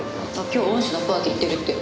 今日恩師のパーティー行ってるって。